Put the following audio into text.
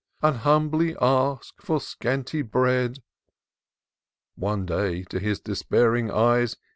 And humbly ask for scanty bread. One day, to his despairing eyes.